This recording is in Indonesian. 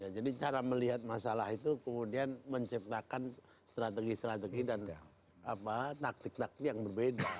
jadi cara melihat masalah itu kemudian menciptakan strategi strategi dan taktik taktik yang berbeda